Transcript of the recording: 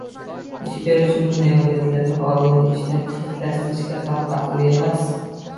Ish beruvchi bunday vaziyatlarda xodimni ishdan chetlashtirishga ham haqli emas.